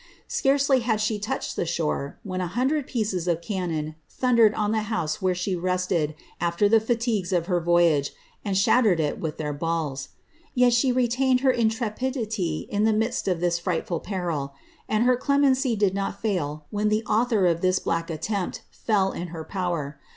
Scarcely had she tooofasii ^ the feliore, when a hundred pieces of cannon thundered on the house wbeM : she rented alter the fHtip:ues of her vo)'ago, and shattered it with their balh. ?) Yrt »Iie retained her intrepidity in the iniddt of this frightful peril; and her * clemency did not fail when the author of this blark attempt fell in her povtr.